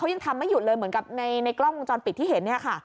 เขายังทำไม่หยุดเลยเหมือนกับในกล้องจอดปิดที่เห็น